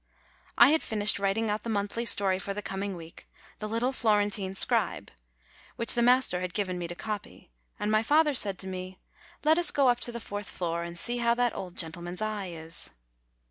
I had finished writing out the monthly story for the coming week, The Little Florentine Scribe, which the master had given to me to copy ; and my father said to me : "Let us go up to the fourth floor, and see how that old gentleman's eye is."